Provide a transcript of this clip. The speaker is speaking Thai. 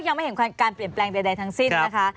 ยังไม่เห็นการเปลี่ยนแปลงใดทั้งสิ้นนะคะ